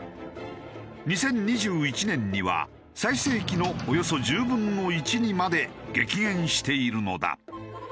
２０２１年には最盛期のおよそ１０分の１にまで激減しているのだ。